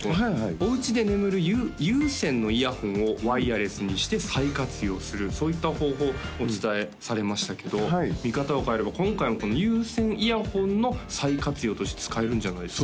おうちで眠る有線のイヤホンをワイヤレスにして再活用するそういった方法をお伝えされましたけど見方を変えれば今回もこの有線イヤホンの再活用として使えるんじゃないですか？